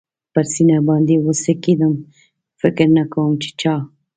پر سینه باندې و څکېدم، فکر نه کوم چې چا.